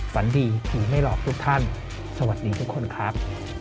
ฝันดีผีไม่หลอกทุกท่านสวัสดีทุกคนครับ